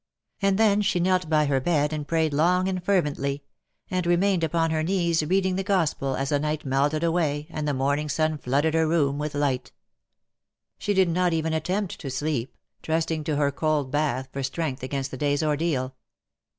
'" And then she knelt by her bed and prayed long and fer vently ; and remained upon her knees reading the Gospel as the night melted away and the morning sun flooded her room with light. LE SECRET DE POLICHINELLE. 267 She did not even attempt to sleep, trusting to her cold bath for strength against the day's ordeal.